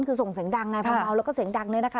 คือส่งเสียงดังไงพอเมาแล้วก็เสียงดังเนี่ยนะคะ